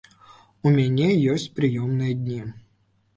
У мяне ёсць прыёмныя дні.